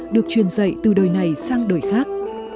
được truyền dạy từ đời này sang đời khác